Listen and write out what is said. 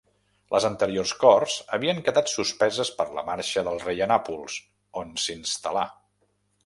Les anteriors corts havien quedat suspeses per la marxa del rei a Nàpols, on s'instal·là.